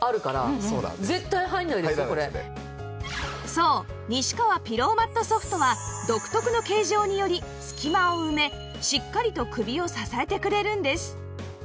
そう西川ピローマット Ｓｏｆｔ は独特の形状により隙間を埋めしっかりと首を支えてくれるんです